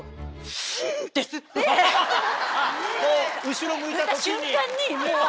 後ろ向いた時に？